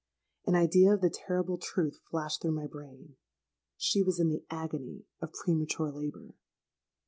An idea of the terrible truth flashed through my brain: she was in the agony of premature labour!